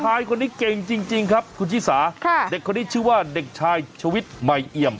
ชายคนนี้เก่งจริงครับคุณชิสาค่ะเด็กคนนี้ชื่อว่าเด็กชายชวิตใหม่เอี่ยม